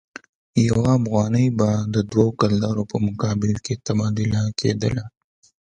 یو افغانۍ به د دوه کلدارو په مقابل کې تبادله کېدله.